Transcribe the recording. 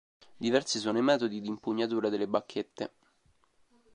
Diversi sono i metodi di impugnatura delle bacchette.